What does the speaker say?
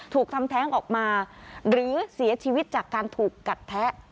ถูกทำแท้งออกมาหรือเสียชีวิตจากการถูกกัดแทะ